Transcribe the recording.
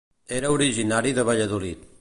Era originari de Valladolid.